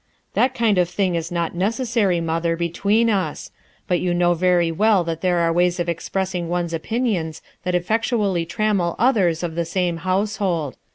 "That kind of thing is not necessary, mother between us; but you know very well that there are ways of expressing one's opinions that effectually trammel others of the same house hold.